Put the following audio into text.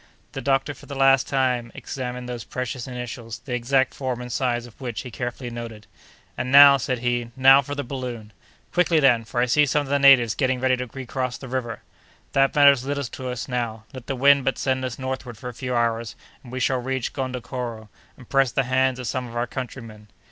The doctor, for the last time, examined those precious initials, the exact form and size of which he carefully noted. "And now," said he—"now for the balloon!" "Quickly, then, for I see some of the natives getting ready to recross the river." "That matters little to us now. Let the wind but send us northward for a few hours, and we shall reach Gondokoro, and press the hands of some of our countrymen."